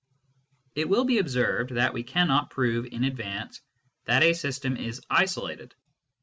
It will be observed that we cannot prove in advance that a system is isolated.